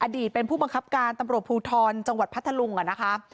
อดีตเป็นผู้บังคับการตำรวจภูทรจังหวัดพัทธลุงนะคะ